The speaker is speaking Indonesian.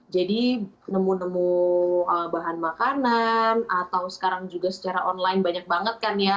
jadi nemu nemu bahan makanan atau sekarang juga secara online banyak banget kan ya